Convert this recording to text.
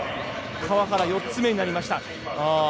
川原、４つ目になりました。